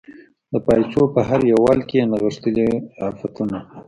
د پایڅو په هر یو ول کې یې نغښتلي عفتونه